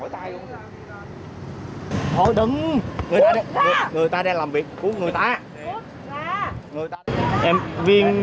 thôi đừng người ta đang làm việc của người ta